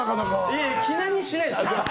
いやいや、記念にしないです。